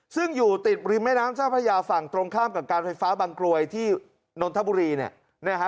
ซึ่งอยู่ติดริมแม่น้ำเจ้าพระยาฝั่งตรงข้ามกับการไฟฟ้าบางกรวยที่นนทบุรีเนี่ยนะฮะ